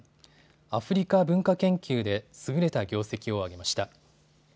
アフリカ文化研究で優れた業績を挙げました。